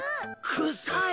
くさい？